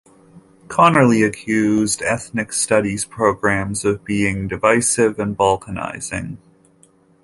Connerly accused ethnic studies programs of being "divisive" and balkanizing.